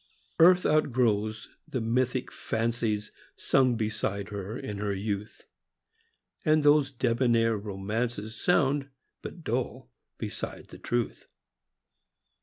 ARTH outgrows the mythic fancies Sung beside her in her youth ; And those debonair romances Sound but dull beside the truth.